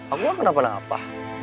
aku nggak kenapa kenapa